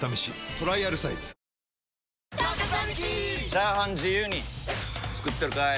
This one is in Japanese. チャーハン自由に作ってるかい！？